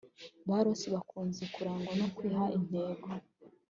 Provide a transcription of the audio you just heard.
Ba Ross bakunze kurangwa no kwiha intego